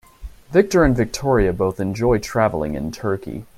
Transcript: Victor and Victoria both enjoy traveling in Turkey.